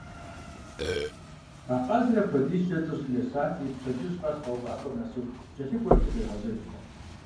А къазыр апхуэдизӏэ лӏыжьым есати, пщэдджыжь къэс къэувыӏэпӏэм нэсыху кӏэлъыкӏуэурэ къигъэзэжырт.